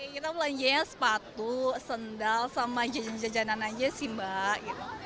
kita belanjanya sepatu sendal sama jajan jajanan aja sih mbak gitu